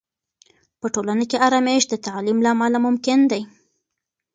په ټولنه کې آرامش د تعلیم له امله ممکن دی.